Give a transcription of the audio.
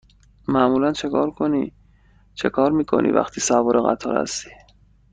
معمولا چکار می کنی وقتی سوار قطار هستی؟